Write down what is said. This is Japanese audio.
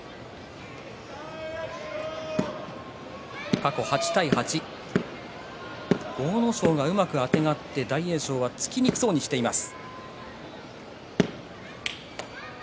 過去８対８阿武咲がうまくあてがって大栄翔突きにくそうにしています。